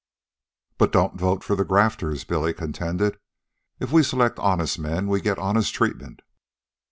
"But don't vote for the grafters," Billy contended. "If we selected honest men we'd get honest treatment."